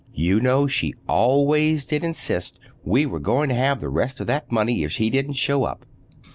You know she always did insist we were going to have the rest of that money if he didn't show up.